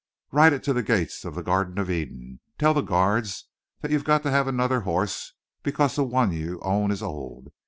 Ride it to the gates of the Garden of Eden. Tell the guards that you've got to have another horse because the one you own is old.